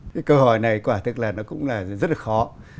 cái câu hỏi này quả thực là nó cũng là rất là khó